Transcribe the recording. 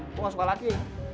gue gak suka laki